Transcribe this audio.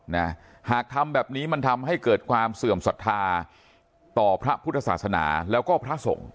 นะหากทำแบบนี้มันทำให้เกิดความเสื่อมศรัทธาต่อพระพุทธศาสนาแล้วก็พระสงฆ์